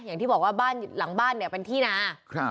อย่างที่บอกว่าบ้านหลังบ้านเนี่ยเป็นที่นา